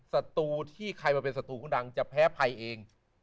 ศัตรูที่ใครมาเป็นศัตรูคุณดังจะแพ้ภัยเอง